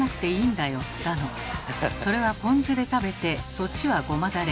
だの「それはポン酢で食べてそっちはゴマダレ。